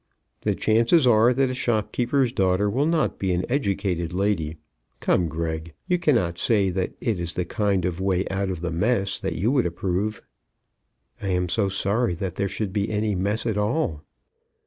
"The chances are that a shopkeeper's daughter will not be an educated lady. Come, Greg; you cannot say that it is the kind of way out of the mess you would approve." "I am so sorry that there should be any mess at all!"